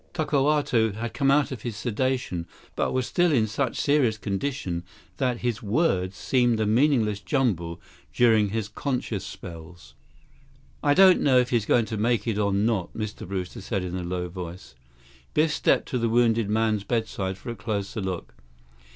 Tokawto had come out of his sedation, but was still in such serious condition that his words seemed a meaningless jumble during his conscious spells. "I don't know if he's going to make it or not," Mr. Brewster said in a low voice. Biff stepped to the wounded man's bedside for a closer look.